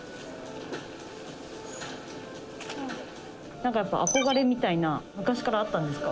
何かやっぱ憧れみたいな昔からあったんですか？